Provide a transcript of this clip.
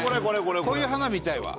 こういう花見たいわ。